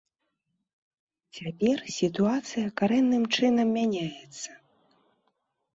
Цяпер сітуацыя карэнным чынам мяняецца.